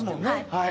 はい。